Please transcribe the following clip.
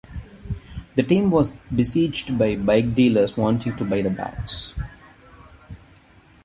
The team was besieged by bike dealers wanting to buy the bags.